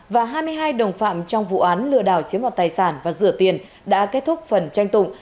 và hai mươi hai đồng phạm trong vụ án lừa đảo chiếm đoạt tài sản và rửa tiền đã kết thúc phần tranh tụng